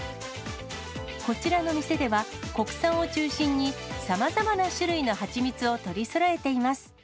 こちらの店では、国産を中心にさまざまな種類のはちみつを取りそろえています。